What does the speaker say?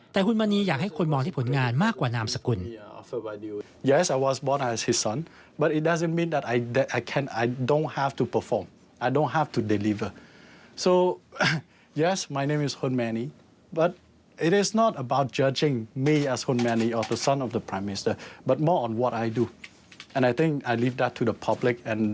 แต่หุ่นมณีอยากให้คนมองที่ผลงานมากกว่านามสกุล